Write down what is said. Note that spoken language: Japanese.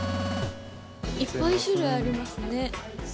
◆いっぱい種類ありますね。